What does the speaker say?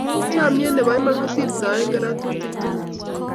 Chamiet nebo iman kosirtoe keratutik tugul